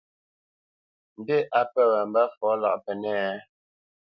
Mbî á pə̂ wǎ mbə́ fɔ lâʼ Pənɛ́a a ?